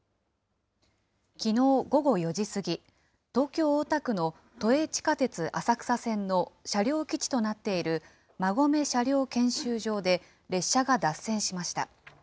きのう午後４時過ぎ、東京・大田区の都営地下鉄浅草線の車両基地となっている、馬込車両検修場で列車が脱線しました。